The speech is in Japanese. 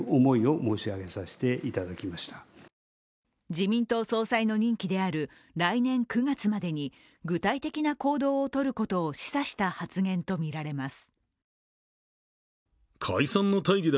自民党総裁の任期である来年９月までに、具体的な行動をとることを示唆した発言とみられます。